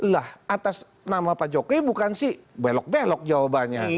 lah atas nama pak jokowi bukan sih belok belok jawabannya